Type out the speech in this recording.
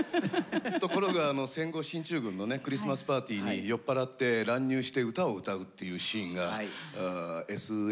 ところが戦後進駐軍のねクリスマスパーティーに酔っ払って乱入して歌を歌うっていうシーンがＳＮＳで結構話題になりまして。